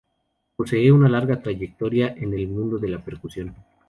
Posee una larga trayectoria en el mundo de la percusión.